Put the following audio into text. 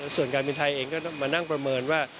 ส่วนการบินไทยเองก็มานั่งประเมินว่า